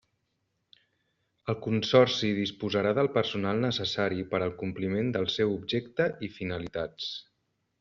El consorci disposarà del personal necessari per al compliment del seu objecte i finalitats.